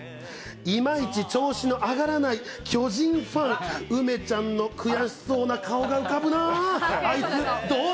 いまいち調子の上がらない巨人ファン、梅ちゃんの悔しそうな顔が浮かぶな。